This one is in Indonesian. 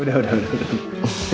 udah udah udah